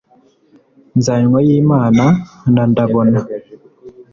nzanywayimana na ndabona